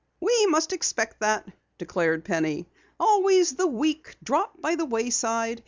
"We must expect that," declared Penny. "Always the weak drop by the wayside.